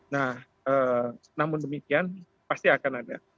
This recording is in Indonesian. nah namun demikian pasti akan ada